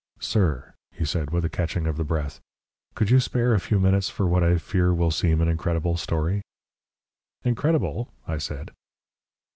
"Sir," he said, with a catching of the breath, "could you spare a few minutes for what I fear will seem an incredible story?" "Incredible!" I said.